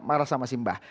marah sama simbah